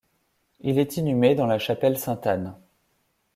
Il est inhumé dans la chapelle sainte-Anne.